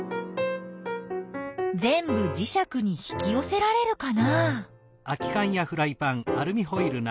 ぜんぶじしゃくに引きよせられるかな？